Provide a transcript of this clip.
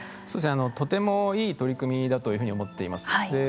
そうですねとてもいい取り組みだというふうに思っています。